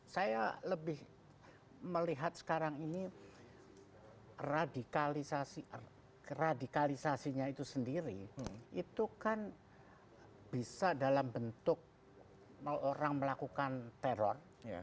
saya lebih melihat sekarang ini radikalisasinya itu sendiri itu kan bisa dalam bentuk orang melakukan teror